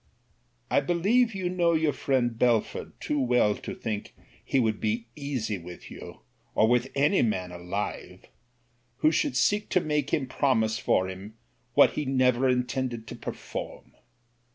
I believe you know your friend Belford too well to think he would be easy with you, or with any man alive, who should seek to make him promise for him what he never intended to perform.